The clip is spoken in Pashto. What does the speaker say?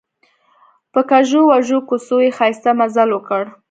په کږو وږو کوڅو یې ښایسته مزل وکړ.